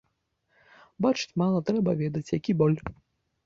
Бачыць мала, трэба ведаць, які боль.